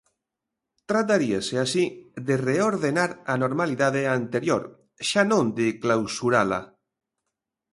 Trataríase así de reordenar a normalidade anterior, xa non de clausurala.